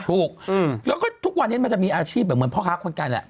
ถูกแล้วก็ทุกวันนี้มันจะมีอาชีพแบบเหมือนพ่อค้าคนไกลแหละ